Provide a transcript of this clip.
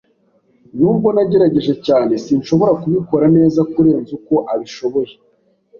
Nubwo nagerageje cyane, sinshobora kubikora neza kurenza uko abishoboye.